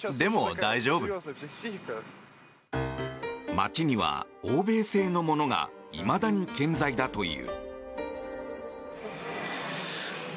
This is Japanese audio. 街には欧米製のものがいまだに健在だという。